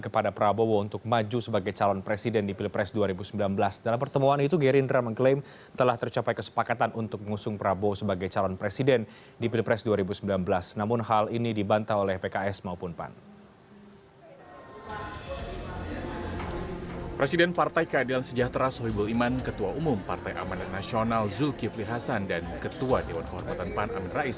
partai keadilan sejahtera sohibul iman ketua umum partai amanah nasional zulkifli hasan dan ketua dewan kehormatan pan amin rais